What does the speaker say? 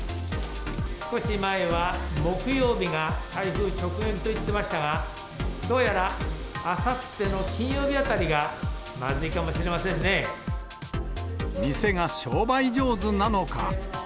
少し前は、木曜日が台風直撃といってましたが、どうやらあさっての金曜日あたりが、店が商売上手なのか。